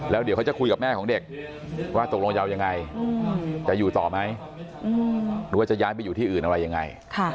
แล้วเดี๋ยวเขาจะคุยกับแม่ของเด็กว่าตกลงจะเอายังไงจะอยู่ต่อไหมหรือว่าจะย้ายไปอยู่ที่อื่นอะไรยังไง